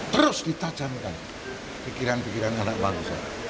terus ditajamkan pikiran pikiran anak bangsa